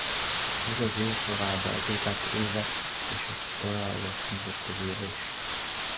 Ez az év továbbá a békák éve és a korallok nemzetközi éve is.